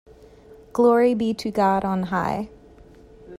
Glory be to God on high.